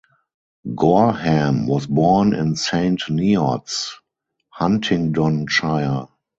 Gorham was born in Saint Neots, Huntingdonshire.